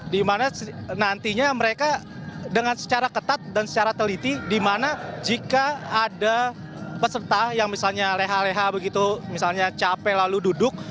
dimana nantinya mereka dengan secara ketat dan secara teliti di mana jika ada peserta yang misalnya leha leha begitu misalnya capek lalu duduk